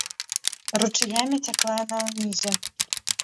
Ручаямі цякла яна ўнізе.